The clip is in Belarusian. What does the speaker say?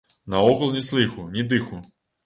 Наогул ні слыху, ні дыху.